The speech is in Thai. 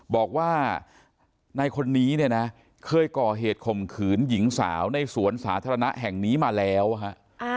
บอกว่านายคนนี้เนี่ยนะเคยก่อเหตุข่มขืนหญิงสาวในสวนสาธารณะแห่งนี้มาแล้วฮะ